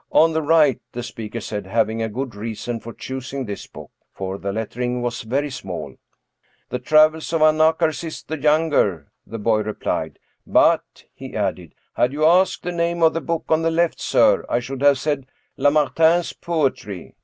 " On the right," the speaker said, having a good reason for choosing this book, for the lettering was very small. " The Travels of Anacharsis the Younger," the boy re plied. " But," he added, " had you asked the name of the book on the left, sir, I should have said Lamartine's Poetry.